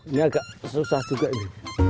ini agak susah juga ini